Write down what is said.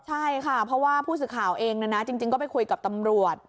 ใช่ค่ะเพราะว่าผู้สื่อข่าวเองนะนะจริงก็ไปคุยกับตำรวจ